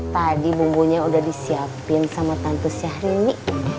tadi bumbunya udah disiapin sama tante syahrini